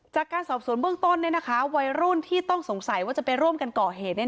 จากการสอบสวนเบื้องต้นวัยรุ่นที่ต้องสงสัยว่าจะไปร่วมกันก่อเหตุ